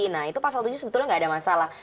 nah itu pasal tujuh sebetulnya nggak ada masalah